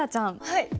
はい。